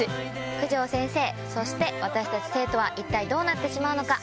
九条先生そして私たち生徒は一体どうなってしまうのか？